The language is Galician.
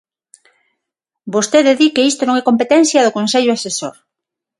Vostede di que isto non é competencia do Concello Asesor.